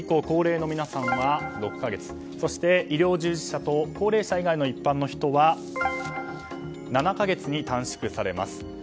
高齢の皆さんは６か月そして医療従事者と高齢者以外の一般の人は７か月に短縮されます。